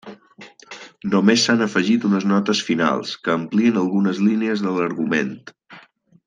Només s'han afegit unes notes finals, que amplien algunes línies de l'argument.